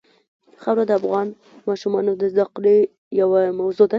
خاوره د افغان ماشومانو د زده کړې یوه موضوع ده.